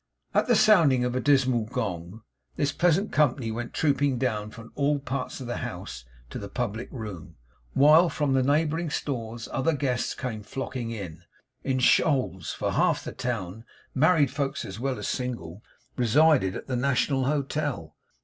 At the sounding of a dismal gong, this pleasant company went trooping down from all parts of the house to the public room; while from the neighbouring stores other guests came flocking in, in shoals; for half the town, married folks as well as single, resided at the National Hotel.